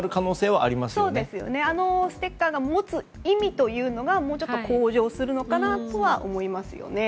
あのステッカーが持つ意味というのがもうちょっと向上するのかなとは思いますよね。